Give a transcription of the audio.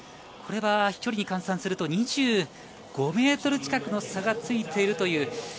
これは飛距離に換算すると、２５ｍ近くの差がついている。